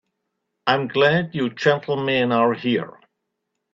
I'm glad you gentlemen are here.